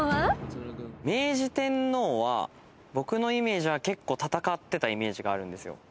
明治天皇は僕のイメージは結構戦ってたイメージがある。